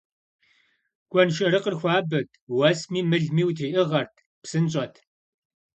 Гуэншэрыкъыр хуабэт, уэсми мылми утриӀыгъэрт, псынщӀэт.